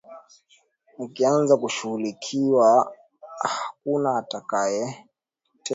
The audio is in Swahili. mkianza kushughulikiwa hakuna atakayewateteaAlisema shughuli hizo huzifanya kwa kutoa msaada na anamudu kufanya